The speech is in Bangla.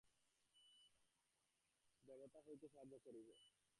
প্রথমে এস, আমরা দেবত্ব লাভ করি, পরে অপরকে দেবতা হইতে সাহায্য করিব।